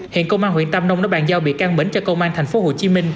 hiện công an huyện tam đông đã bàn giao bị can mỉnh cho công an tp hcm